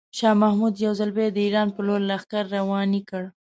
شاه محمود یو ځل بیا د ایران په لوري لښکرې روانې کړې.